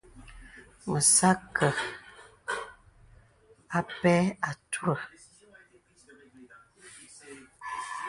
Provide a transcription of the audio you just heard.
Mə̀ sə̄ akɛ̄ apɛ àturə.